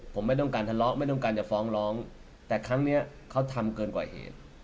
ผมไม่ต้องการทะเลาะไม่ต้องการจะฟ้องร้องแต่ครั้งนี้เขาทำเกินกว่าเหตุ